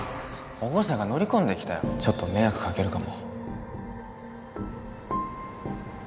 保護者が乗り込んできたよちょっと迷惑かけるかも